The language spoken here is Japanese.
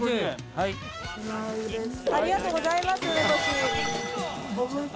ありがとうございます。